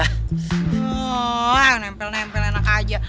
aduh jangan berpengaruh enak saja